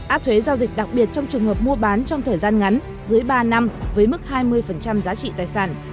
áp thuế giao dịch đặc biệt trong trường hợp mua bán trong thời gian ngắn dưới ba năm với mức hai mươi giá trị tài sản